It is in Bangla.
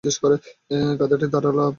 গাধাটি দাঁড়াল, পরে আবার বসে পড়ল।